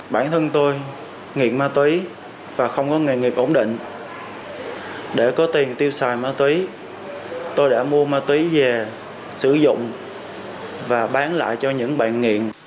bản thân tôi nghiện ma túy và không có nghề nghiệp ổn định để có tiền tiêu xài ma túy tôi đã mua ma túy về sử dụng và bán lại cho những bạn nghiện